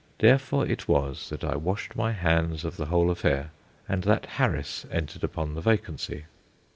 Therefore it was that I washed my hands of the whole affair, and that Harris entered upon the vacancy.